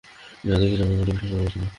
যা দেখেছি আমরা মোটেও বিশ্বাস করার মতো না!